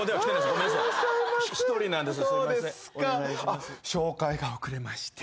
あっ紹介が遅れまして。